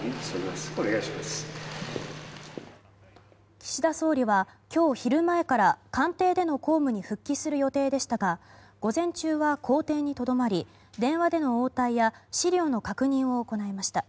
岸田総理は今日昼前から官邸での公務に復帰する予定でしたが午前中は公邸にとどまり電話での応対や資料の確認を行いました。